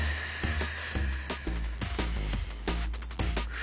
フ。